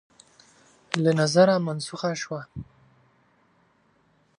له نظره منسوخه شوه